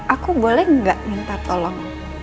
aku boleh nggak minta tolong